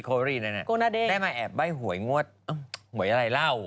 โก้โนเด้งได้มาแอบใบ้หวยงวดหวยอะไรเหล้า